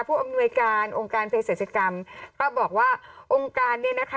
อำนวยการองค์การเพศรัชกรรมก็บอกว่าองค์การเนี่ยนะคะ